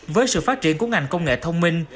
với sự phát triển của ngành công nghệ thông minh